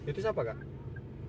itu siapa kak